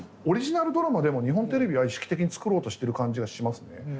オリジナルドラマでも日本テレビは意識的に作ろうとしてる感じはしますね。